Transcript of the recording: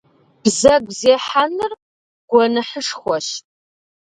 Бзэгу зехьэныр гуэныхьышхуэщ.